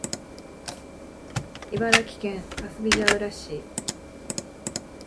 茨城県かすみがうら市